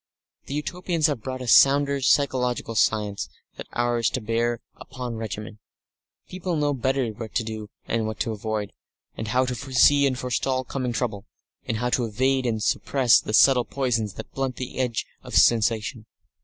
The Utopians have brought a sounder physiological science than ours to bear upon regimen. People know better what to do and what to avoid, how to foresee and forestall coming trouble, and how to evade and suppress the subtle poisons that blunt the edge of sensation.